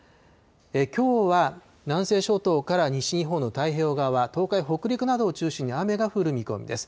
きょうは南西諸島から西日本の太平洋側、東海、北陸などを中心に雨が降る見込みです。